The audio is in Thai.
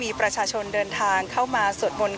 พาคุณผู้ชมไปติดตามบรรยากาศกันที่วัดอรุณราชวรรมหาวิหารค่ะ